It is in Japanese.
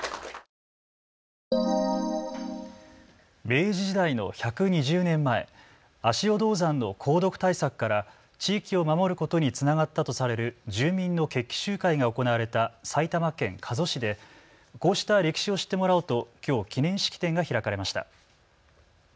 明治時代の１２０年前、足尾銅山の鉱毒対策から地域を守ることにつながったとされる住民の決起集会が行われた埼玉県加須市でこうした歴史を知ってもらおうと、きょう記念式典が開かれました。